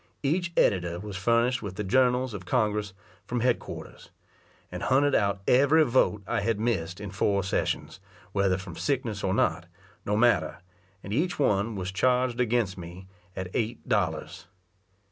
Each editor was furnished with the journals of Congress from head quarters; and hunted out every vote I had missed in four sessions, whether from sickness or not, no matter, and each one was charged against me at eight dollars.